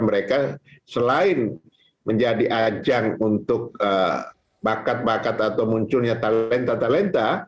mereka selain menjadi ajang untuk bakat bakat atau munculnya talenta talenta